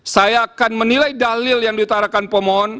saya akan menilai dalil yang diutarakan pemohon